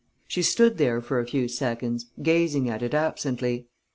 She stood there for a few seconds, gazing at it absently.